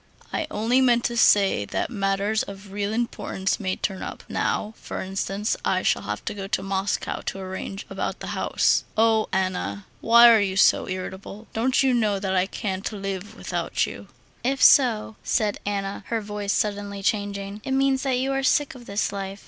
"I only meant to say that matters of real importance may turn up. Now, for instance, I shall have to go to Moscow to arrange about the house.... Oh, Anna, why are you so irritable? Don't you know that I can't live without you?" "If so," said Anna, her voice suddenly changing, "it means that you are sick of this life....